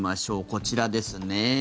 こちらですね。